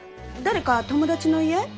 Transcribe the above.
誰か友達の家？